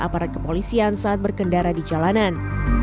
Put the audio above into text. aparat kepolisian saat berkendara di jalanan